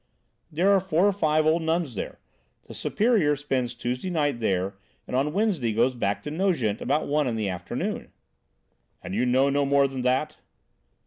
"There are four or five old nuns there. The Superior spends Tuesday night there and on Wednesday goes back to Nogent about one in the afternoon." "And you know no more than that?"